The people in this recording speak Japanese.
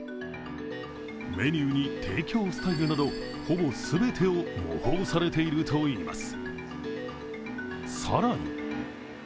メニューに提供スタイルなどほぼ全てを模倣されているといいます。